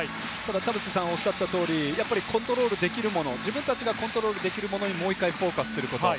田臥さんがおっしゃった通り、コントロールできるもの、自分たちがコントロールできるものにもう１回フォーカスすること。